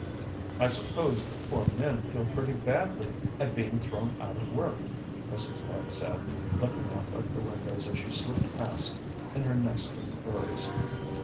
"I suppose the poor men feel pretty badly at being thrown out of work," Mrs. Lloyd said, looking up at the windows as she slipped past in her nest of furs.